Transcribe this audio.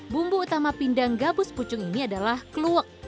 bumbu utama pindang gabus pucung ini adalah kluwek